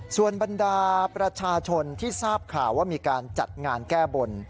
ส่วนบรรดาประชาชนที่ทราบข่าวว่ามีการจัดงานแก้บน